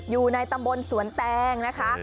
อยู่ในตำบลสวนแตงนะคะ